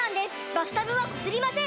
バスタブはこすりません！